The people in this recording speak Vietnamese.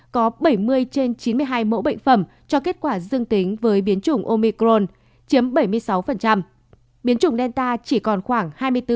có bảy mươi trên chín mươi hai mẫu bệnh phẩm cho kết quả dương tính với biến chủng omicron chiếm bảy mươi sáu biến chủng delta chỉ còn khoảng hai mươi bốn